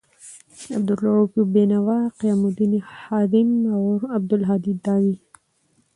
عبدا لروؤف بینوا، قیام الدین خادم، عبدالهادي داوي